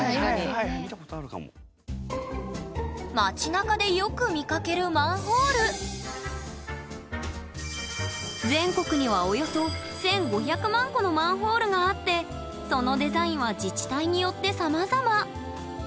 街なかでよく見かける全国にはおよそ１，５００万個のマンホールがあってそのデザインは自治体によってさまざま。